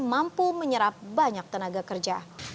mampu menyerap banyak tenaga kerja